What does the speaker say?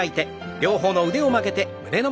両方の腕を曲げて胸の前。